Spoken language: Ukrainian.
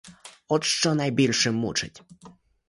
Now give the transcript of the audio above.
От що найбільше мучить.